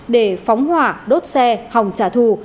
để phóng hỏa đốt xe hỏng trả thù